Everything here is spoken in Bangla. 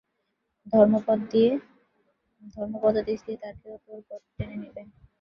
ধর্মোপদেশ দিয়ে তাকেও তোর পথে টেনে নিবি।